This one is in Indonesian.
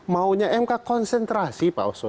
maunya mk konsentrasi pak oso